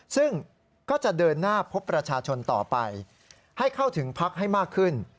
ซึ่งก็จะเดินหน้าพบประชาชนต่อไปให้เข้าถึงพักให้มากขึ้น